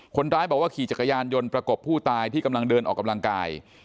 คนร้ายบอกว่าขี่จักรยานยนต์ประกบผู้ตายที่กำลังเดินออกกำลังกาย